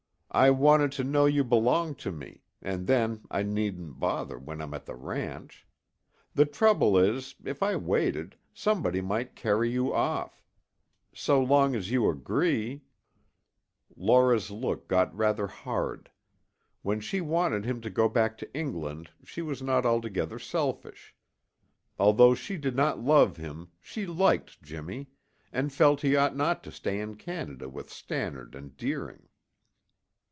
I wanted to know you belonged to me, and then I needn't bother when I'm at the ranch The trouble is, if I waited, somebody might carry you off. So long as you agree " Laura's look got rather hard. When she wanted him to go back to England she was not altogether selfish. Although she did not love him, she liked Jimmy, and felt he ought not to stay in Canada with Stannard and Deering.